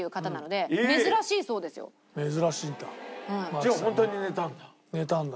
じゃあ本当に寝たんだ。